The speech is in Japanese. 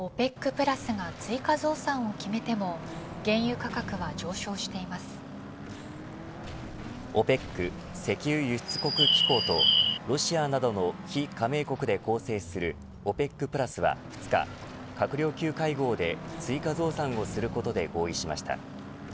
ＯＰＥＣプラスが追加増産を決めてもＯＰＥＣ石油輸出国機構とロシアなどの非加盟国で構成するＯＰＥＣプラスは２日閣僚級会合で追加増産をすることで合意しました。